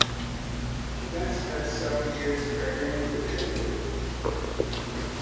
She then spent several years trading with India.